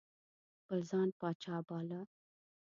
خپل ځان پاچا باله.